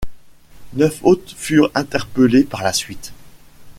Neuf autres furent interpellés par la suite.